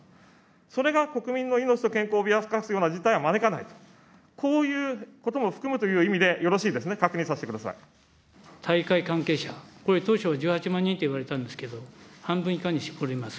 それが国民の命と健康を脅かすような事態を招かない、こういうことも含むという意味でよろしいんですね、大会関係者、これ、当初１８万人と言われたんですけど、半分以下に絞ります。